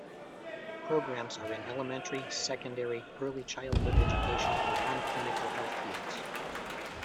Programs are in Elementary, Secondary, Early Childhood Education and non-clinical health fields.